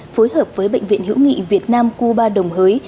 phối hợp với bệnh viện hữu nghị việt nam cuba đồng hới